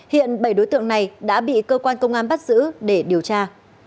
hiện bảy đối tượng này đã bị cơ quan công an bắt giữ để điều tra